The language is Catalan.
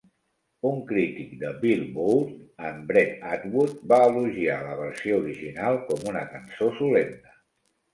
Un crític de "Billboard", en Brett Atwood, va elogiar la versió original com una "cançó solemne".